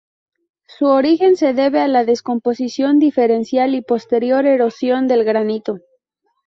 Su origen se debe a la descomposición diferencial y posterior erosión del granito.